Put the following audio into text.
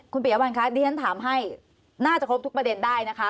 คุณปิยวัลคะดิฉันถามให้น่าจะครบทุกประเด็นได้นะคะ